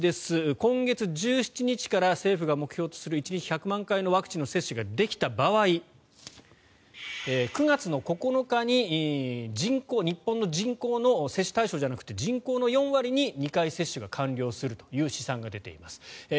今月１７日から政府が目標とする１日１００万回のワクチンの接種ができた場合９月９日に日本の人口の４割に２回接種が完了するという試算が出ています。